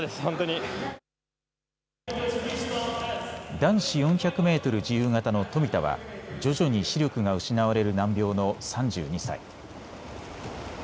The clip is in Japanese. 男子４００メートル自由形の富田は徐々に視力が失われる難病の３２歳。